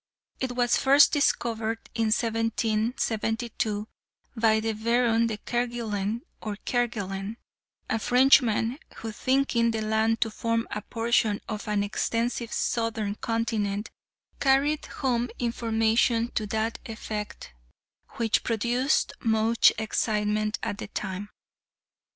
It was first discovered in 1772, by the Baron de Kergulen, or Kerguelen, a Frenchman, who, thinking the land to form a portion of an extensive southern continent carried home information to that effect, which produced much excitement at the time.